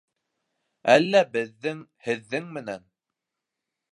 - Әллә беҙҙең... һеҙҙең менән...